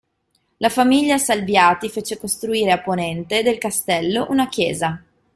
La famiglia Salviati fece costruire a ponente del castello una chiesa.